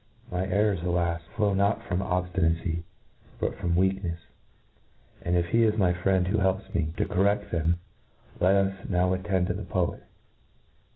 My errors, alas! flow not from obftinacy, but from weaknefs ; and he is, my friend who helps mc to corroft them. — ^Let us now attend to the poet